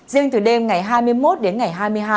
riêng từ đêm ngày hai mươi một đến ngày hai mươi hai